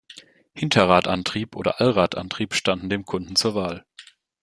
Hinterradantrieb oder Allradantrieb standen dem Kunden zur Wahl.